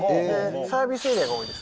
サービスエリアが多いです。